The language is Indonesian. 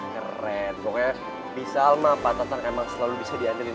keren pokoknya bisalma pak tatang emang selalu bisa diandalkan